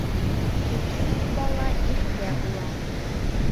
Төпсөк бала иркә була.